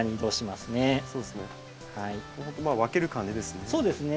まあ分ける感じですね。